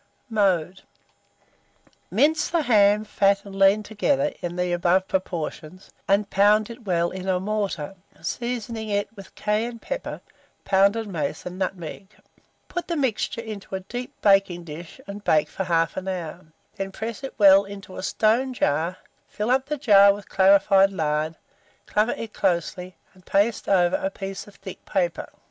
Mode. Mince the ham, fat and lean together in the above proportion, and pound it well in a mortar, seasoning it with cayenne pepper, pounded mace, and nutmeg; put the mixture into a deep baking dish, and bake for 1/2 hour; then press it well into a stone jar, fill up the jar with clarified lard, cover it closely, and paste over it a piece of thick paper.